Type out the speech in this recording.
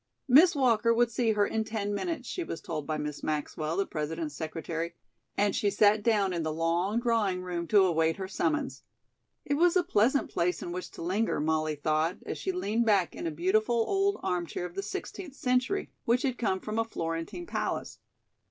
Miss Walker would see her in ten minutes, she was told by Miss Maxwell, the President's secretary, and she sat down in the long drawing room to await her summons. It was a pleasant place in which to linger, Molly thought, as she leaned back in a beautiful old arm chair of the sixteenth century, which had come from a Florentine palace.